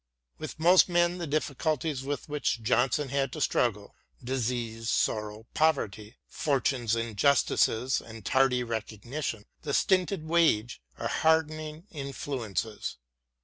With most men the difficulties with which Johnson had to struggle — disease, sorrow, poverty, Fortune's injustices, the tardy recognition, the stinted wage — are hardening influences.